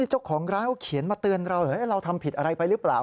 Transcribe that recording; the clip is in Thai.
เจ้าของร้านเขาเขียนมาเตือนเราเราทำผิดอะไรไปหรือเปล่า